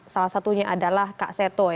salah satunya adalah kak seto